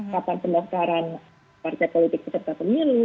kapan pendaftaran partai politik peserta pemilu